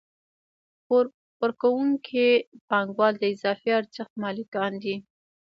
پور ورکوونکي پانګوال د اضافي ارزښت مالکان دي